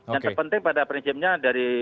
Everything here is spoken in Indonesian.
yang terpenting pada prinsipnya dari